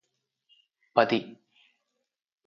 పది